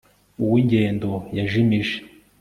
uw'ingendo yajimije